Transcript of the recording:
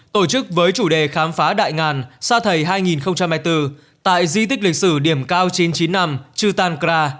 tổ chức với chủ đề khám phá đại ngàn sa thầy hai nghìn hai mươi bốn tại di tích lịch sử điểm cao chín mươi chín năm chutankra